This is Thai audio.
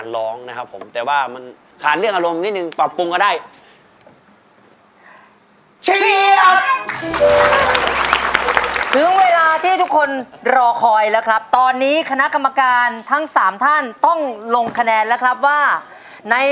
และ๓แนวแจ๋วจริง๓แนวแจ๋วจริงมีคะแนนสะสมอยู่ที่๑คะแนน